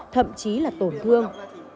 thậm chí là tổn thương